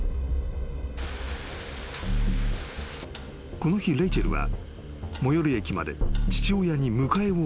［この日レイチェルは最寄り駅まで父親に迎えをお願いしていた］